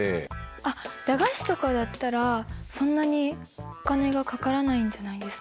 あっ駄菓子とかだったらそんなにお金がかからないんじゃないですか。